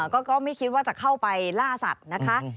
ก็ไม่คิดว่าจะเข้าไปล่าสัตว์นะคะ